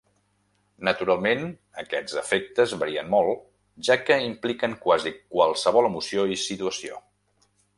Naturalment, aquests efectes varien molt, ja que impliquen quasi qualsevol emoció i situació.